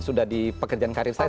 sudah di pekerjaan karir saya